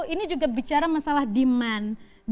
ini juga bicara masalah demand